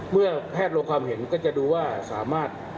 เมื่อแพทย์ลงความเห็นก็จะดูว่าสามารถ